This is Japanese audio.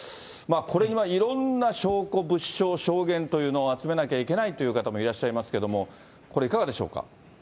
これはいろんな証拠、物証、証言というものを集めなきゃいけないという方もいらっしゃいますけれども、これいかがでしょうか。